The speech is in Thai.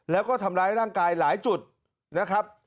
แล้วก็ทำร้ายร่างกายหลายจุดนะครับ